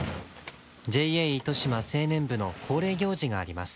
ＪＡ糸島青年部の恒例行事があります。